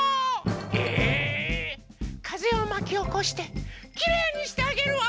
えっ⁉かぜをまきおこしてきれいにしてあげるわ！